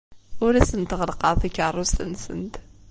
Ur asent-ɣellqeɣ takeṛṛust-nsent.